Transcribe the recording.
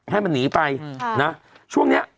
ให้มันหนีไปนะช่วงนี้